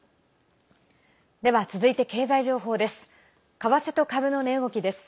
では、続いて経済情報です。